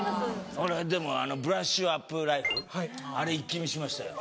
でも『ブラッシュアップライフ』あれ一気見しましたよ。